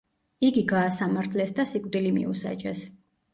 იგი გაასამართლეს და სიკვდილი მიუსაჯეს.